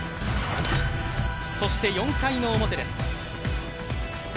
そして４回の表です。